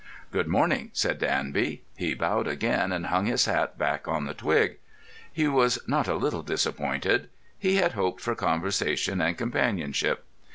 "Good morning!" said Danby. He bowed again, and hung his hat back on the twig. He was not a little disappointed. He had hoped for conversation and companionship.